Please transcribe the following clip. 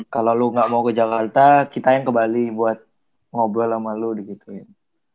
kalau lu gak mau ke jakarta kita yang ke bali buat ngobrol sama lu di gituin